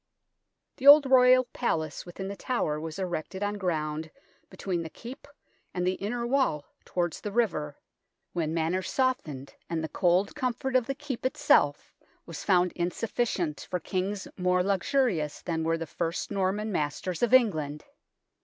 The old Royal Palace within The Tower was erected on ground between the Keep and the inner wall towards the river, when manners softened, and the cold comfort of the Keep itself was found insufficient for kings more luxurious than were the first Norman masters of England.